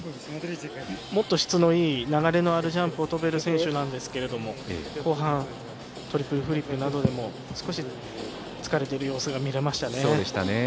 もっと質のいい流れのあるジャンプを跳べる選手なんですが後半、トリプルフリップなどにも少し疲れている様子が見られましたね。